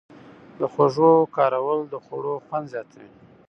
د خوږو کارول د خوړو خوند زیاتوي.